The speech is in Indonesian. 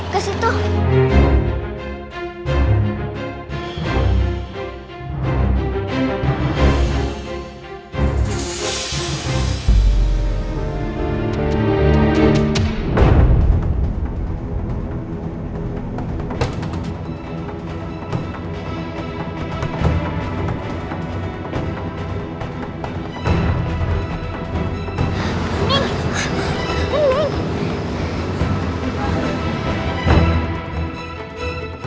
kita cari bunda kesitu